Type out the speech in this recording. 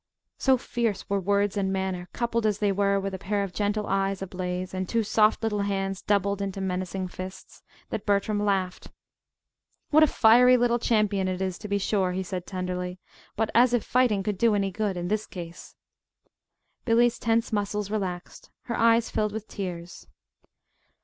So fierce were words and manner, coupled as they were with a pair of gentle eyes ablaze and two soft little hands doubled into menacing fists, that Bertram laughed. "What a fiery little champion it is, to be sure," he said tenderly. "But as if fighting could do any good in this case!" Billy's tense muscles relaxed. Her eyes filled with tears.